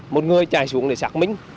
một người chạy xuống để sạc mình